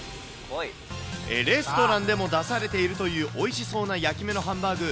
レストランでも出されているというおいしそうな焼き目のハンバーグ。